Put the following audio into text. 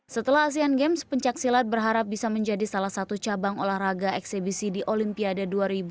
setelah asean games pencaksilat berharap bisa menjadi salah satu cabang olahraga eksebisi di olimpiade dua ribu dua puluh